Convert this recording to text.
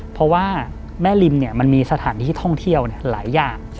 เพราะว่าแม่ริมมันมีสถานที่ท่องเที่ยวหลายอย่าง